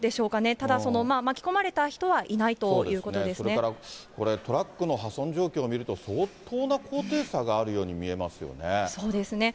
ただ巻き込まれた人はいないということでそれからこれ、トラックの破損状況を見ると、相当な高低差があるように見えますそうですね。